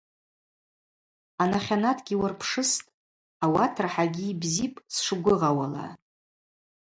Анахьанатгьи уырпшыстӏ – ауат рахӏагьи йбзипӏ, сшгвыгъауала.